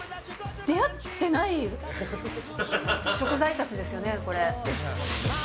出会ってない食材たちですよね？